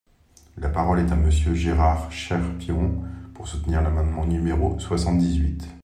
La parole est à Monsieur Gérard Cherpion, pour soutenir l’amendement numéro soixante-dix-huit.